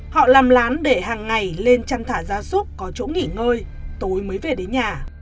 họ làm lán để hàng ngày lên chăn thả ra súc có chỗ nghỉ ngơi tối mới về đến nhà